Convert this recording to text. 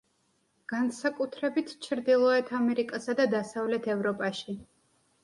განსაკუთრებით ჩრდილოეთ ამერიკასა და დასავლეთ ევროპაში.